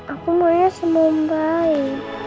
aku mau lihat semua bayi